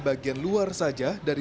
bagian luar saja dari